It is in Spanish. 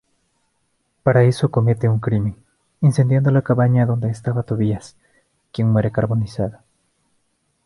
Para eso comete un crimen, incendiando la cabaña donde estaba Tobías, quien muere carbonizado.